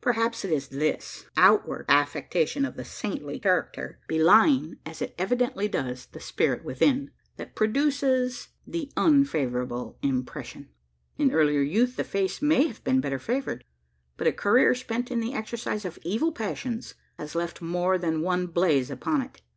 Perhaps it is this outward affectation of the saintly character belying, as it evidently does, the spirit within, that produces the unfavourable impression. In earlier youth, the face may have been better favoured; but a career, spent in the exercise of evil passions, has left more than one "blaze" upon it.